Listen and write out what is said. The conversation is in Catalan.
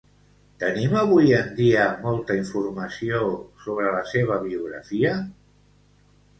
Tenim avui en dia molta informació sobre la seva biografia?